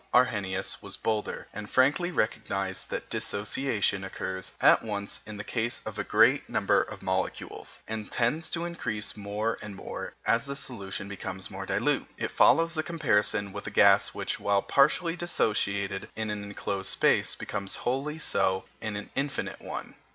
Arrhenius was bolder, and frankly recognized that dissociation occurs at once in the case of a great number of molecules, and tends to increase more and more as the solution becomes more dilute. It follows the comparison with a gas which, while partially dissociated in an enclosed space, becomes wholly so in an infinite one.